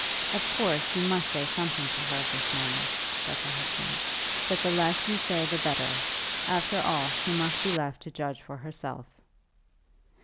"Of course, you must say something to her of this man," said her husband, "but the less you say the better. After all she must be left to judge for herself."